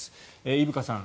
伊深さん